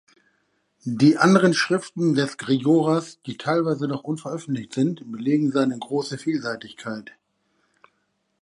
Die anderen Schriften des Gregoras, die teilweise noch unveröffentlicht sind, belegen seine große Vielseitigkeit.